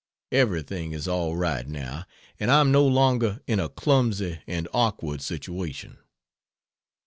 Everything is all right, now, and I am no longer in a clumsy and awkward situation.